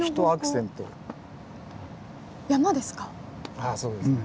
ああそうですね。